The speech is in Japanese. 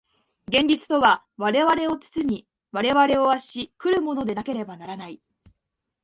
現実とは我々を包み、我々を圧し来るものでなければならない。